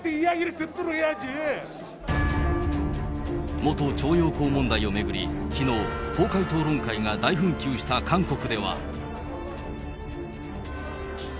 元徴用工問題を巡り、きのう、公開討論会が大紛糾した韓国では。